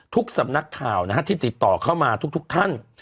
ทุกสำนักข่าวนะครับที่ติดต่อเข้ามาทุกท่าน